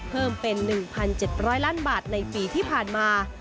เพิ่มเป็น๑๗๐๐ล้านบาทในปีที่ผ่านมา